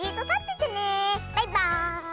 バイバーイ。